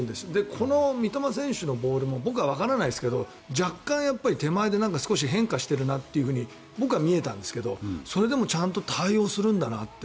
この三笘選手のボールも僕はわからないですけど若干、手前で少し変化しているなと僕は見えたんですけどそれでもちゃんと対応するんだなって。